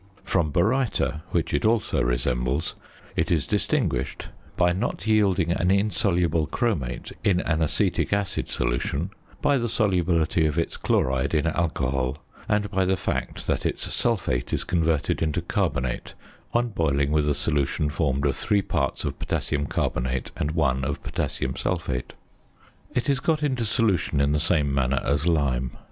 From baryta, which it also resembles, it is distinguished by not yielding an insoluble chromate in an acetic acid solution, by the solubility of its chloride in alcohol, and by the fact that its sulphate is converted into carbonate on boiling with a solution formed of 3 parts of potassium carbonate and 1 of potassium sulphate. It is got into solution in the same manner as lime.